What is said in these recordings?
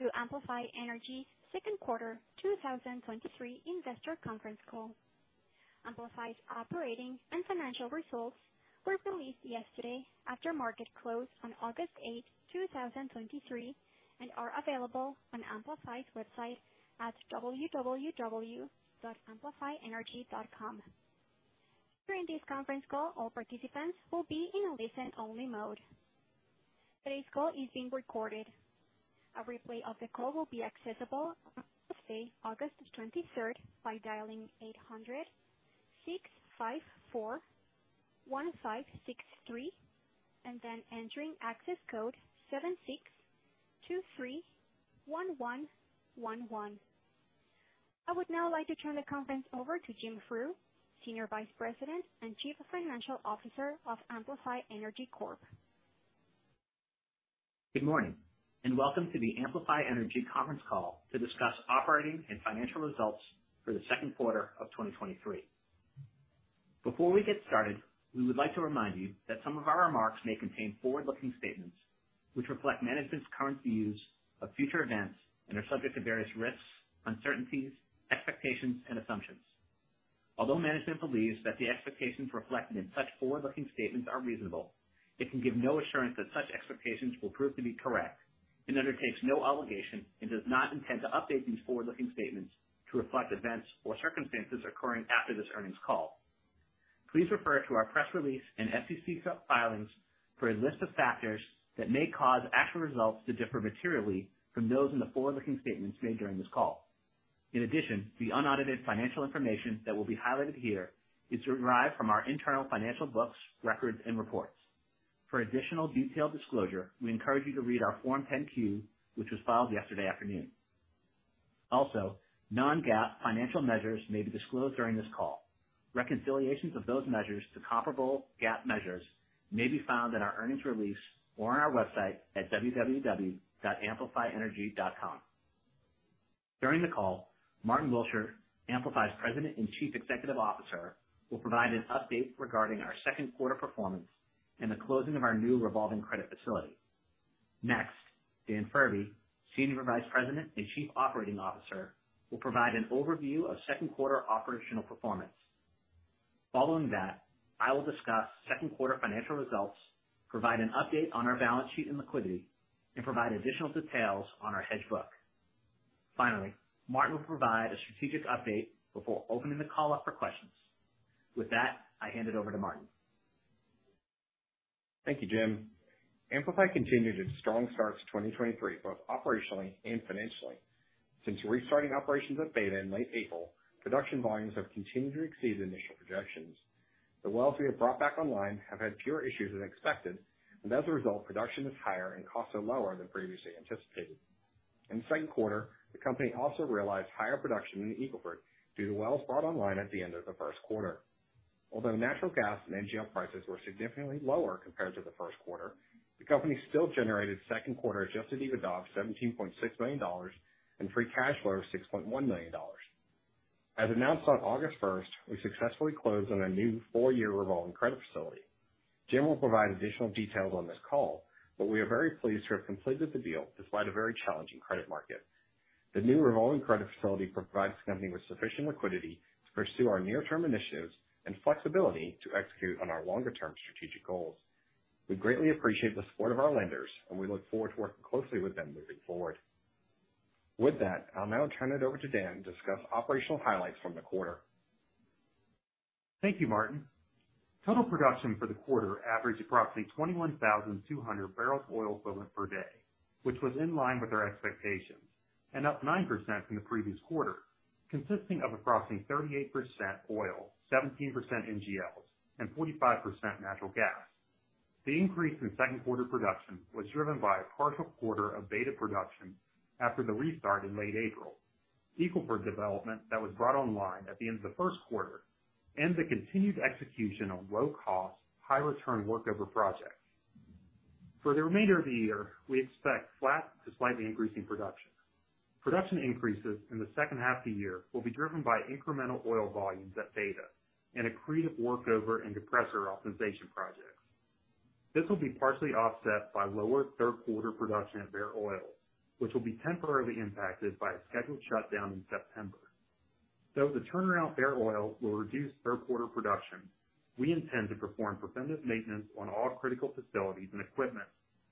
Welcome to Amplify Energy's second quarter 2023 investor conference call. Amplify's operating and financial results were released yesterday after market close on August 8, 2023, and are available on Amplify's website at www.amplifyenergy.com. During this conference call, all participants will be in a listen-only mode. Today's call is being recorded. A replay of the call will be accessible on Tuesday, August 23, by dialing 800-654-1563, and then entering access code 76231111. I would now like to turn the conference over to Jim Frew, Senior Vice President and Chief Financial Officer of Amplify Energy Corp. Good morning, and welcome to the Amplify Energy conference call to discuss operating and financial results for the second quarter of 2023. Before we get started, we would like to remind you that some of our remarks may contain forward-looking statements, which reflect management's current views of future events and are subject to various risks, uncertainties, expectations, and assumptions. Although management believes that the expectations reflected in such forward-looking statements are reasonable, it can give no assurance that such expectations will prove to be correct, and undertakes no obligation and does not intend to update these forward-looking statements to reflect events or circumstances occurring after this earnings call. Please refer to our press release and SEC filings for a list of factors that may cause actual results to differ materially from those in the forward-looking statements made during this call. In addition, the unaudited financial information that will be highlighted here is derived from our internal financial books, records, and reports. For additional detailed disclosure, we encourage you to read our Form 10-Q, which was filed yesterday afternoon. Also, non-GAAP financial measures may be disclosed during this call. Reconciliations of those measures to comparable GAAP measures may be found in our earnings release or on our website at www.amplifyenergy.com. During the call, Martyn Willsher, Amplify's President and Chief Executive Officer, will provide an update regarding our second quarter performance and the closing of our new revolving credit facility. Next, Dan Furbee, Senior Vice President and Chief Operating Officer, will provide an overview of second quarter operational performance. Following that, I will discuss second quarter financial results, provide an update on our balance sheet and liquidity, and provide additional details on our hedge book. Finally, Martyn will provide a strategic update before opening the call up for questions. With that, I hand it over to Martyn. Thank you, Jim. Amplify continued its strong start to 2023, both operationally and financially. Since restarting operations at Beta in late April, production volumes have continued to exceed initial projections. The wells we have brought back online have had fewer issues than expected, and as a result, production is higher and costs are lower than previously anticipated. In the second quarter, the company also realized higher production in the Eagle Ford due to wells brought online at the end of the first quarter. Although natural gas and NGL prices were significantly lower compared to the first quarter, the company still generated second quarter adjusted EBITDA of $17.6 million and free cash flow of $6.1 million. As announced on August first, we successfully closed on a new four-year revolving credit facility. Jim will provide additional details on this call, but we are very pleased to have completed the deal despite a very challenging credit market. The new revolving credit facility provides the company with sufficient liquidity to pursue our near-term initiatives and flexibility to execute on our longer-term strategic goals. We greatly appreciate the support of our lenders, and we look forward to working closely with them moving forward. With that, I'll now turn it over to Dan to discuss operational highlights from the quarter. Thank you, Martyn. Total production for the quarter averaged approximately 21,200 barrels of oil equivalent per day, which was in line with our expectations and up 9% from the previous quarter, consisting of approximately 38% oil, 17% NGLs, and 45% natural gas. The increase in second quarter production was driven by a partial quarter of Beta production after the restart in late April. Eagle Ford development that was brought online at the end of the first quarter and the continued execution of low-cost, high-return workover projects. For the remainder of the year, we expect flat to slightly increasing production. Production increases in the second half of the year will be driven by incremental oil volumes at Beta and accretive workover and compressor optimization projects. This will be partially offset by lower third quarter production at Bairoil, which will be temporarily impacted by a scheduled shutdown in September. The turnaround at Bairoil will reduce third quarter production, we intend to perform preventative maintenance on all critical facilities and equipment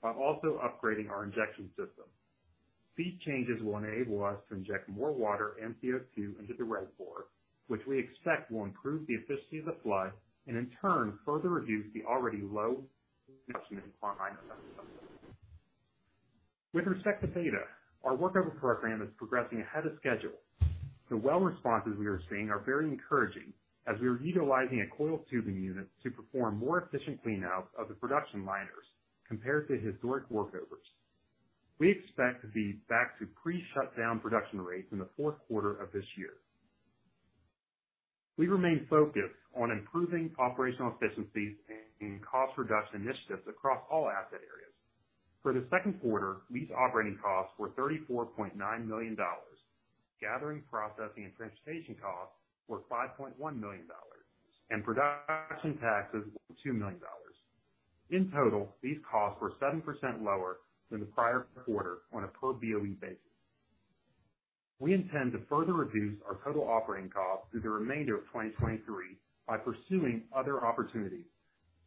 while also upgrading our injection system. These changes will enable us to inject more water and CO2 into the Redford, which we expect will improve the efficiency of the flood and in turn further reduce the already low. With respect to Beta, our workover program is progressing ahead of schedule. The well responses we are seeing are very encouraging as we are utilizing a coiled tubing unit to perform more efficient cleanout of the production liners compared to historic workovers. We expect to be back to pre-shutdown production rates in the fourth quarter of this year. We remain focused on improving operational efficiencies and cost reduction initiatives across all asset areas. For the second quarter, lease operating costs were $34.9 million. Gathering, processing, and transportation costs were $5.1 million, and production taxes were $2 million. In total, these costs were 7% lower than the prior quarter on a per Boe basis. We intend to further reduce our total operating costs through the remainder of 2023 by pursuing other opportunities,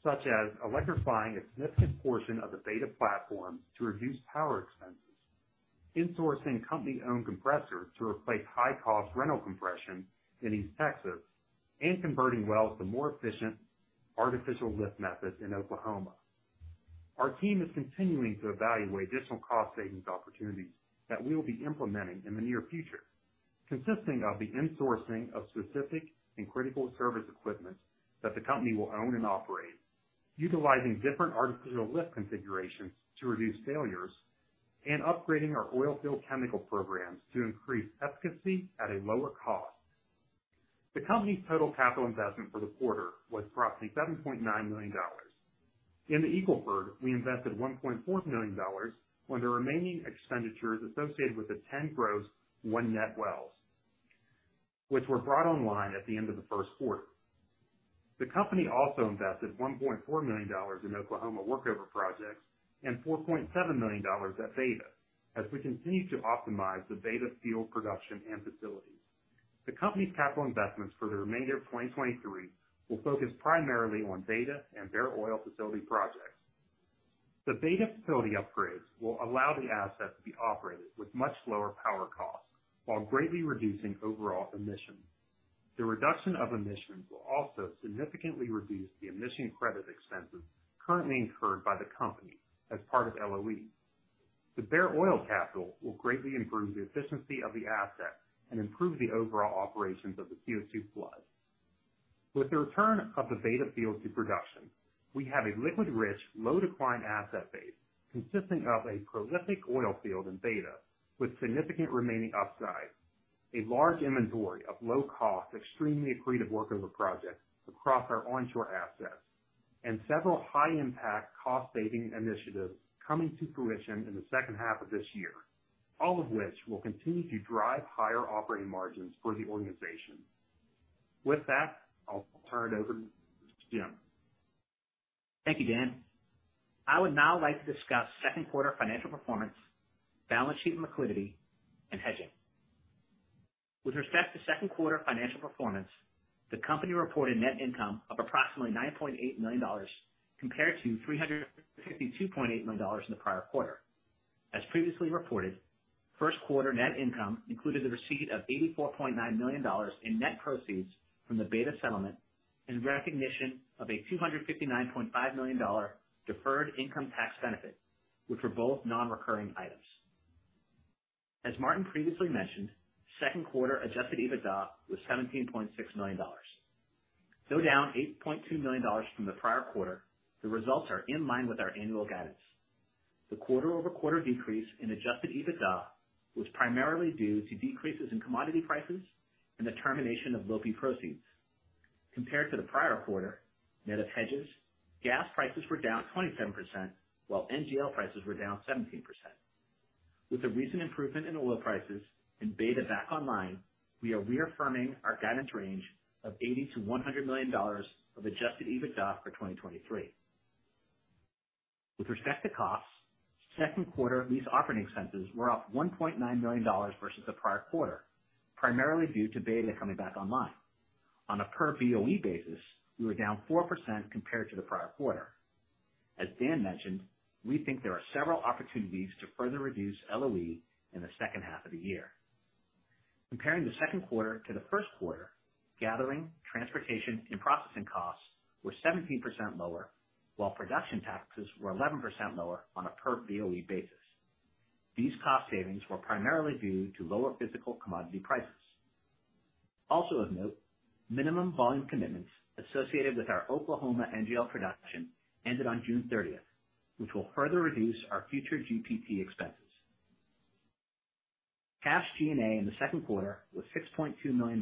such as electrifying a significant portion of the Beta platform to reduce power expenses, insourcing company-owned compressors to replace high-cost rental compression in East Texas, and converting wells to more efficient artificial lift methods in Oklahoma. Our team is continuing to evaluate additional cost savings opportunities that we will be implementing in the near future, consisting of the insourcing of specific and critical service equipment that the company will own and operate, utilizing different artificial lift configurations to reduce failures, and upgrading our oil field chemical programs to increase efficacy at a lower cost. The company's total capital investment for the quarter was approximately $7.9 million. In the Eagle Ford, we invested $1.4 million on the remaining expenditures associated with the 10 gross 1 net wells, which were brought online at the end of the first quarter. The company also invested $1.4 million in Oklahoma workover projects and $4.7 million at Beta, as we continue to optimize the Beta field production and facilities. The company's capital investments for the remainder of 2023 will focus primarily on Beta and Bairoil facility projects. The Beta facility upgrades will allow the asset to be operated with much lower power costs while greatly reducing overall emissions. The reduction of emissions will also significantly reduce the emission credit expenses currently incurred by the company as part of LOE. The Bairoil capital will greatly improve the efficiency of the asset and improve the overall operations of the CO2 flood. With the return of the Beta field to production, we have a liquid-rich, low-decline asset base consisting of a prolific oil field in Beta, with significant remaining upside, a large inventory of low-cost, extremely accretive workover projects across our onshore assets, and several high-impact cost-saving initiatives coming to fruition in the second half of this year, all of which will continue to drive higher operating margins for the organization. With that, I'll turn it over to Jim. Thank you, Dan. I would now like to discuss second quarter financial performance, balance sheet and liquidity, and hedging. With respect to second quarter financial performance, the company reported net income of approximately $9.8 million, compared to $352.8 million in the prior quarter. As previously reported, first quarter net income included the receipt of $84.9 million in net proceeds from the Beta settlement and recognition of a $259.5 million deferred income tax benefit, which were both non-recurring items. As Martyn previously mentioned, second quarter adjusted EBITDA was $17.6 million. Though down $8.2 million from the prior quarter, the results are in line with our annual guidance. The quarter-over-quarter decrease in adjusted EBITDA was primarily due to decreases in commodity prices and the termination of LOE proceeds. Compared to the prior quarter, net of hedges, gas prices were down 27%, while NGL prices were down 17%. With the recent improvement in oil prices and Beta back online, we are reaffirming our guidance range of $80 million-$100 million of adjusted EBITDA for 2023. With respect to costs, second quarter, these operating expenses were up $1.9 million versus the prior quarter, primarily due to Beta coming back online. On a per Boe basis, we were down 4% compared to the prior quarter. As Dan mentioned, we think there are several opportunities to further reduce LOE in the second half of the year. Comparing the second quarter to the first quarter, gathering, transportation, and processing costs were 17% lower, while production taxes were 11% lower on a per Boe basis. These cost savings were primarily due to lower physical commodity prices. Also of note, minimum volume commitments associated with our Oklahoma NGL production ended on June 30th, which will further reduce our future GPP expenses. Cash G&A in the second quarter was $6.2 million,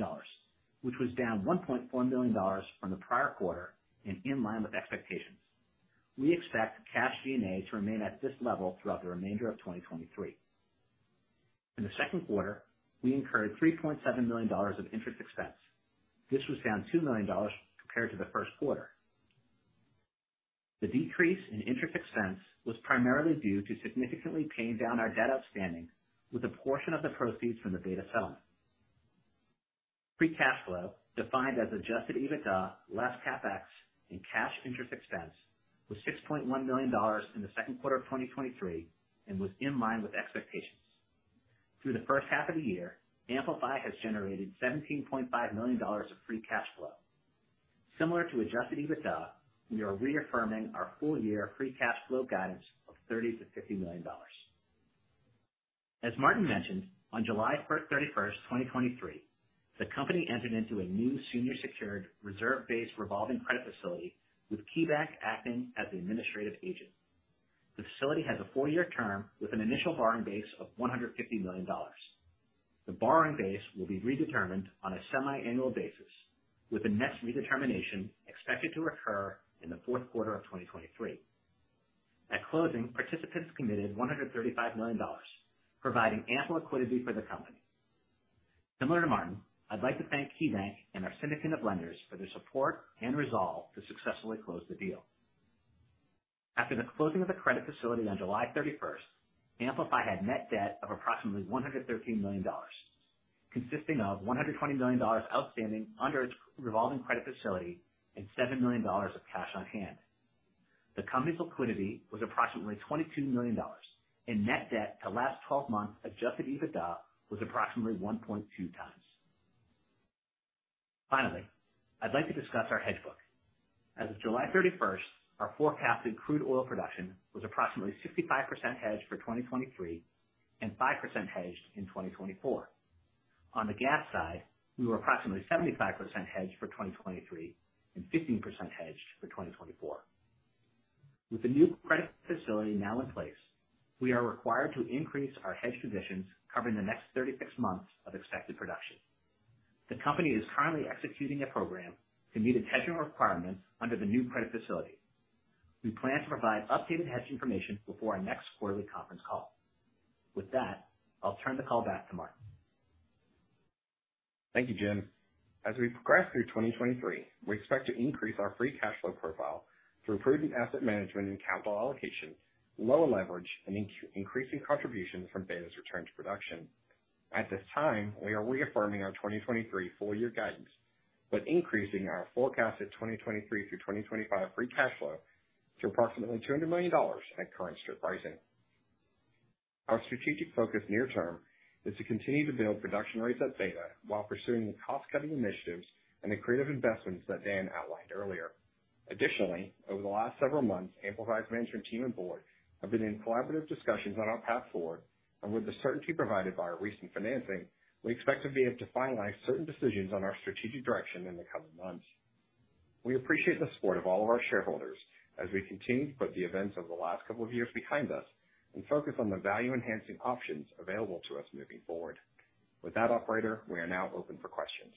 which was down $1.4 million from the prior quarter and in line with expectations. We expect cash G&A to remain at this level throughout the remainder of 2023. In the second quarter, we incurred $3.7 million of interest expense. This was down $2 million compared to the first quarter. The decrease in interest expense was primarily due to significantly paying down our debt outstanding, with a portion of the proceeds from the Beta settlement. Free cash flow, defined as adjusted EBITDA, less CapEx and cash interest expense, was $6.1 million in the second quarter of 2023 and was in line with expectations. Through the first half of the year, Amplify has generated $17.5 million of free cash flow. Similar to adjusted EBITDA, we are reaffirming our full-year free cash flow guidance of $30 million-$50 million. As Martyn mentioned, on July 31, 2023, the company entered into a new senior secured reserve-based revolving credit facility with KeyBanc acting as the administrative agent. The facility has a four-year term with an initial borrowing base of $150 million. The borrowing base will be redetermined on a semiannual basis, with the next redetermination expected to occur in the fourth quarter of 2023. At closing, participants committed $135 million, providing ample liquidity for the company. Similar to Martyn, I'd like to thank KeyBanc and our syndicate of lenders for their support and resolve to successfully close the deal. After the closing of the credit facility on July thirty-first, Amplify had net debt of approximately $113 million, consisting of $120 million outstanding under its revolving credit facility and $7 million of cash on hand. The company's liquidity was approximately $22 million, and net debt to last 12 months adjusted EBITDA was approximately 1.2 times. Finally, I'd like to discuss our hedge book. As of July thirty-first, our forecasted crude oil production was approximately 65% hedged for 2023 and 5% hedged in 2024. On the gas side, we were approximately 75% hedged for 2023 and 15% hedged for 2024. With the new credit facility now in place, we are required to increase our hedge positions covering the next 36 months of expected production. The company is currently executing a program to meet its hedging requirements under the new credit facility. We plan to provide updated hedge information before our next quarterly conference call. With that, I'll turn the call back to Martyn. Thank you, Jim. As we progress through 2023, we expect to increase our free cash flow profile through improved asset management and capital allocation, lower leverage, and increasing contributions from Beta's return to production. At this time, we are reaffirming our 2023 full year guidance, increasing our forecasted 2023 through 2025 free cash flow to approximately $200 million at current strip pricing. Our strategic focus near term is to continue to build production rates at Beta while pursuing the cost-cutting initiatives and the creative investments that Dan outlined earlier. Additionally, over the last several months, Amplify's management team and board have been in collaborative discussions on our path forward, with the certainty provided by our recent financing, we expect to be able to finalize certain decisions on our strategic direction in the coming months. We appreciate the support of all of our shareholders as we continue to put the events of the last couple of years behind us and focus on the value-enhancing options available to us moving forward. With that operator, we are now open for questions.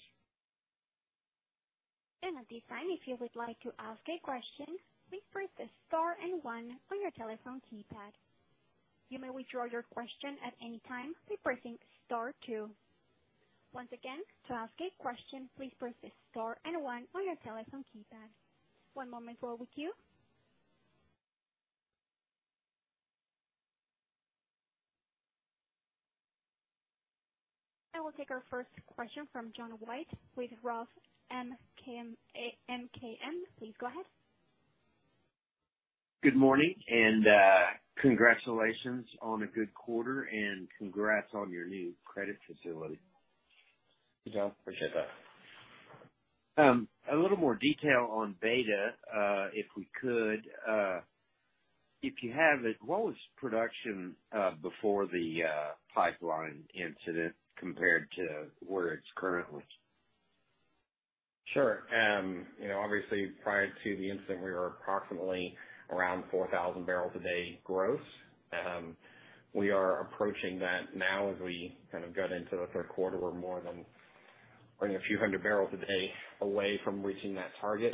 At this time, if you would like to ask a question, please press star and one on your telephone keypad. You may withdraw your question at any time by pressing star two. Once again, to ask a question, please press star and one on your telephone keypad. One moment while we queue. I will take our first question from John White with Roth MKM. Please go ahead. Good morning, and congratulations on a good quarter and congrats on your new credit facility. Hey, John, appreciate that. A little more detail on Beta, if we could. If you have it, what was production before the pipeline incident compared to where it's currently? Sure. you know, obviously prior to the incident, we were approximately around 4,000 barrels a day gross. We are approaching that now as we kind of get into the third quarter. We're more than, you know, a few hundred barrels a day away from reaching that target.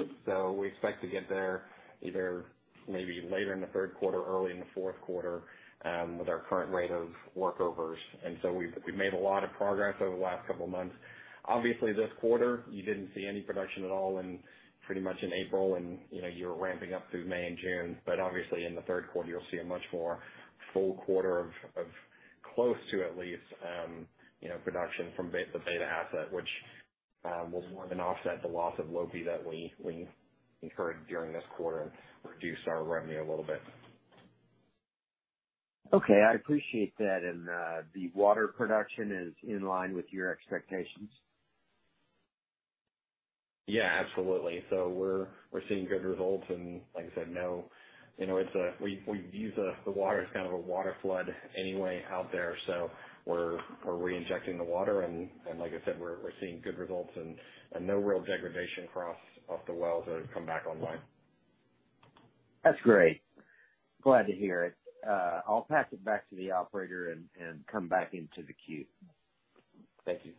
We expect to get there either maybe later in the third quarter, early in the fourth quarter, with our current rate of workovers. We've, we've made a lot of progress over the last couple of months. Obviously, this quarter, you didn't see any production at all in pretty much in April, and, you know, you were ramping up through May and June. Obviously, in the third quarter, you'll see a much more full quarter of, of close to at least production from the Beta asset, which will more than offset the loss of LOPI that we incurred during this quarter and reduced our revenue a little bit. Okay, I appreciate that. The water production is in line with your expectations? Yeah, absolutely. we're, we're seeing good results, and like I said, no, you know, we, we use the, the water as kind of a water flood anyway out there. we're, we're reinjecting the water, and, and like I said, we're, we're seeing good results and, and no real degradation across, of the wells that have come back online. That's great. Glad to hear it. I'll pass it back to the operator and come back into the queue. Thank you.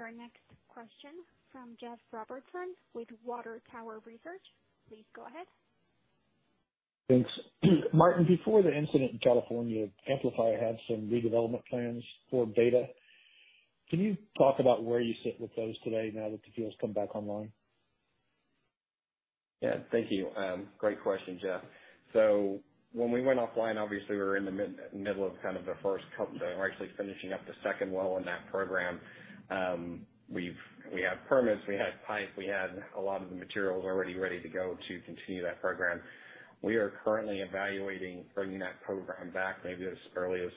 I will take our next question from Jeff Robertson with Water Tower Research. Please go ahead. Thanks. Martyn, before the incident in California, Amplify had some redevelopment plans for Beta. Can you talk about where you sit with those today now that the field's come back online? Yeah, thank you. Great question, Jeff. When we went offline, obviously, we were in the middle of kind of the 1st, we're actually finishing up the 2nd well in that program. We've, we had permits, we had pipe, we had a lot of the materials already ready to go to continue that program. We are currently evaluating bringing that program back maybe as early as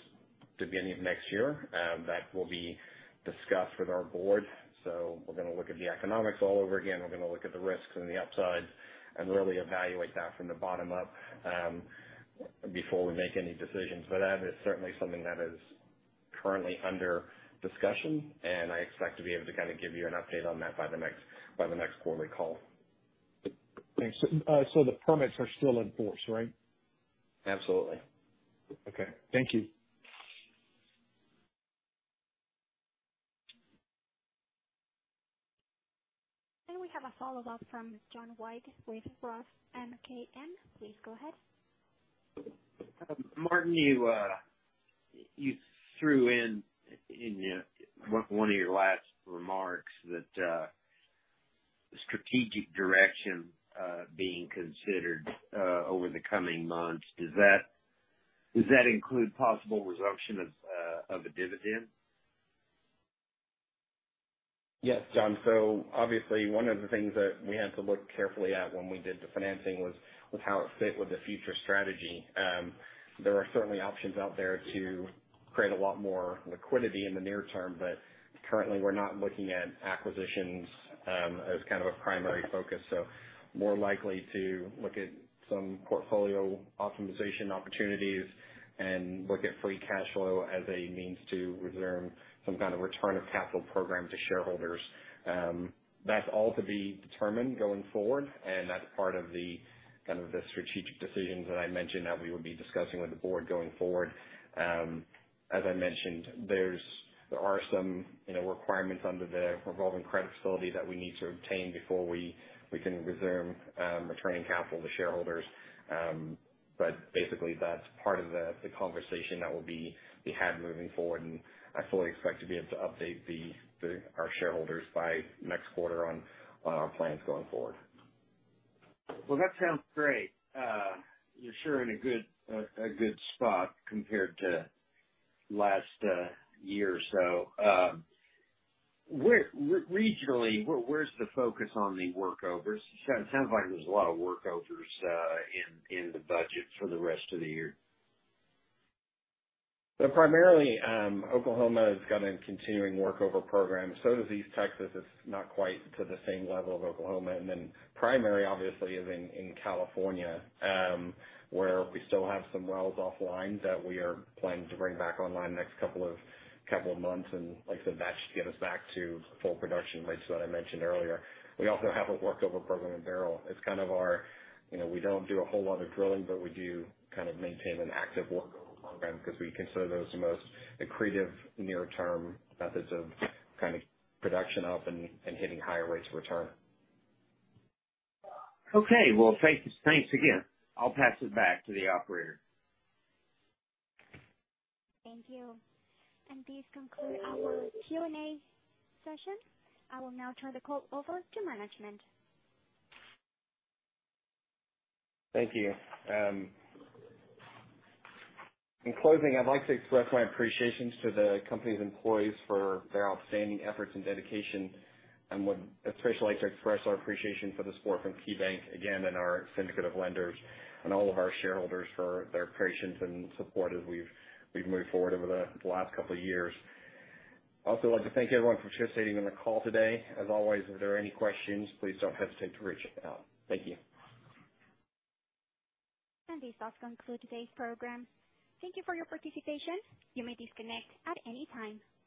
the beginning of next year. That will be discussed with our board. We're gonna look at the economics all over again. We're gonna look at the risks and the upsides and really evaluate that from the bottom up before we make any decisions. That is certainly something that is currently under discussion, and I expect to be able to kind of give you an update on that by the next, by the next quarterly call. Thanks. The permits are still in force, right? Absolutely. Okay. Thank you. We have a follow-up from John White with Roth MKM. Please go ahead. Martyn, you threw in one of your last remarks that strategic direction being considered over the coming months. Does that include possible resumption of a dividend? Yes, John. Obviously, one of the things that we had to look carefully at when we did the financing was, was how it fit with the future strategy. There are certainly options out there to create a lot more liquidity in the near term, but currently we're not looking at acquisitions, as kind of a primary focus. More likely to look at some portfolio optimization opportunities and look at free cash flow as a means to resume some kind of return of capital program to shareholders. That's all to be determined going forward, and that's part of the, kind of the strategic decisions that I mentioned that we would be discussing with the board going forward. As I mentioned, there's... There are some, you know, requirements under the revolving credit facility that we need to obtain before we, we can resume returning capital to shareholders. Basically, that's part of the, the conversation that will be, be had moving forward, and I fully expect to be able to update the, the, our shareholders by next quarter on, on our plans going forward. Well, that sounds great. You're sure in a good spot compared to last year or so. Where regionally, where's the focus on the workovers? Sounds like there's a lot of workovers in the budget for the rest of the year. Primarily, Oklahoma has got a continuing workover program. Does East Texas. It's not quite to the same level of Oklahoma. Primary obviously is in, in California, where we still have some wells offline that we are planning to bring back online the next couple of months. Like I said, that should get us back to full production rates that I mentioned earlier. We also have a workover program in Bairoil. You know, we don't do a whole lot of drilling, but we do kind of maintain an active workover program because we consider those the most accretive near-term methods of kind of production up and hitting higher rates of return. Okay. Well, thanks again. I'll pass it back to the operator. Thank you. This conclude our Q&A session. I will now turn the call over to management. Thank you. In closing, I'd like to express my appreciation to the company's employees for their outstanding efforts and dedication. Would especially like to express our appreciation for the support from KeyBanc again, and our syndicate of lenders, and all of our shareholders, for their patience and support as we've, we've moved forward over the last couple of years. I'd also like to thank everyone for participating on the call today. As always, if there are any questions, please don't hesitate to reach out. Thank you. This does conclude today's program. Thank you for your participation. You may disconnect at any time.